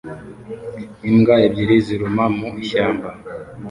Imbwa ebyiri ziruma mu ishyamba